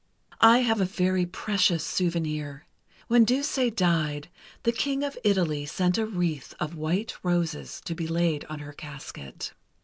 I have a very precious souvenir. When Duse died, the King of Italy sent a wreath of white roses, to be laid on her casket.